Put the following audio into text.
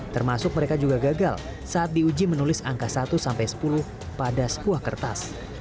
termasuk mereka juga gagal saat diuji menulis angka satu sampai sepuluh pada sebuah kertas